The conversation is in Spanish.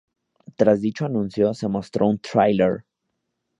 Tras dicho anuncio, se mostró un trailer.